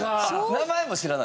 名前も知らない？